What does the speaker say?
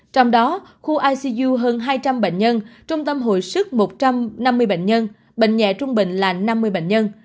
trong đó khu icu hơn hai trăm linh bệnh nhân trung tâm hội sức một trăm năm mươi bệnh nhân bệnh nhẹ trung bệnh là năm mươi bệnh nhân